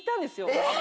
えっ！